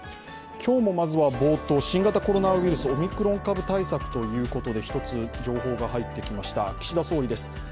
今日もまずは冒頭、新型コロナウイルスオミクロン株対策ということで一つ、情報が入ってきました岸田総理です。